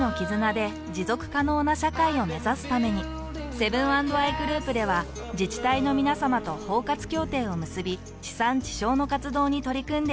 セブン＆アイグループでは自治体のみなさまと包括協定を結び地産地消の活動に取り組んでいます。